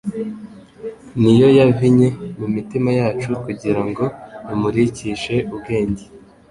Niyo yavinye mu mitima yacu kugira ngo imurikishe ubwenge